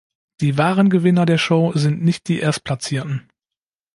Die wahren Gewinner der Show sind nicht die Erstplatzierten.